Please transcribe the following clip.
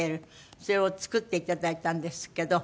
それを作っていただいたんですけど。